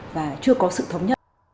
và chưa có sự thống nhất